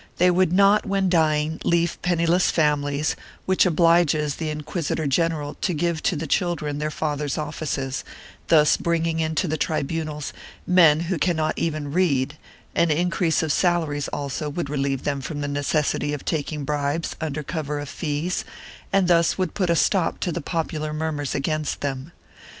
They would not, when dying, leave penniless families, which obliges the inquisitor general to give to the children their fathers' offices, thus bringing into the tribunals men who cannot even read; an increase of salaries, also, would relieve them of the necessity of taking bribes under cover of fees, and thus would put a stop to the popular murmurs against them.